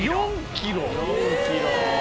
４キロ？